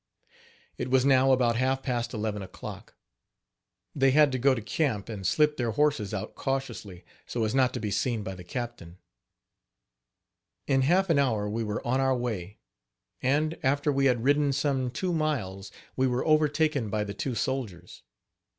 It was now about half past eleven o'clock. They had to go to camp, and slip their horses out cautiously, so as not to be seen by the captain. Iu half an hour we were on our way; and, after we had ridden some two miles, we were overtaken by the two soldiers.